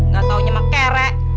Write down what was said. gak taunya mah kere